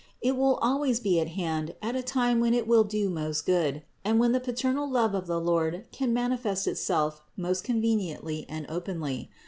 It will always be at hand at a time when it will do most good, and when the paternal love of the Lord can manifest itself most conveniently and openly.